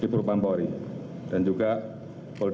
dan aku punya bintang yang sangat tinggi